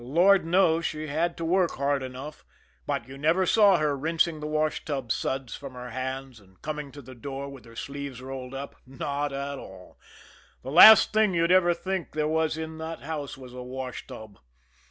The Lord knows, she had to work hard enough, but you never saw her rinsing the washtub suds from her hands and coming to the door with her sleeves rolled up not at all. The last thing you'd ever think there was in the house was a washtub.